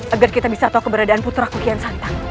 agar kita bisa tahu keberadaan putra kukian santang